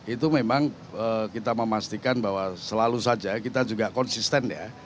itu memang kita memastikan bahwa selalu saja kita juga konsisten ya